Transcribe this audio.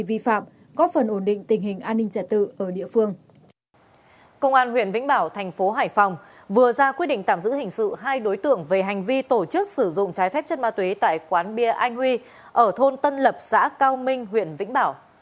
vừa ra quyết định tạm giữ hình sự hai đối tượng về hành vi tổ chức sử dụng trái phép chất ma túy tại quán bia anh huy ở thôn tân lập xã cao minh huyện vĩnh bảo